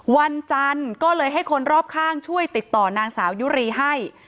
วันจันทร์ก็เลยให้คนรอบข้างช่วยติดต่อนางสาวยุรีให้